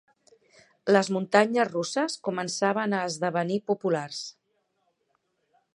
Les muntanyes russes començaven a esdevenir populars.